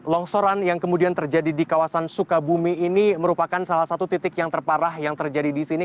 longsoran yang kemudian terjadi di kawasan sukabumi ini merupakan salah satu titik yang terparah yang terjadi di sini